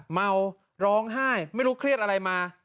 เมาร้องไห้ไม่รู้เครียดอะไรมา